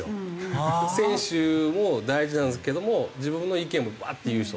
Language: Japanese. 選手も大事なんですけども自分の意見もバーッて言う人。